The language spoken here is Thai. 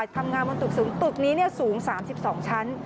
ทำงานบนตึกสูงตึกนี้สูง๓๒ชั้น